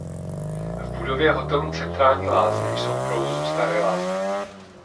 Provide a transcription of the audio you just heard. V budově hotelu Centrální lázně jsou v provozu Staré lázně.